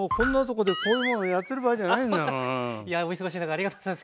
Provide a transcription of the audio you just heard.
いやお忙しい中ありがとうございます今日は。